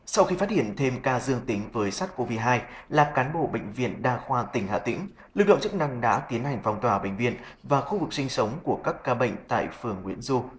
sau khi phát hiện thêm ca dương tính với sars cov hai là cán bộ bệnh viện đa khoa tỉnh hà tĩnh lực lượng chức năng đã tiến hành phong tỏa bệnh viện và khu vực sinh sống của các ca bệnh tại phường nguyễn du